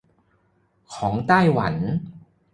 ของไต้หวัน